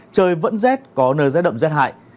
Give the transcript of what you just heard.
trời vẫn rét có nơi rét đậm rét hại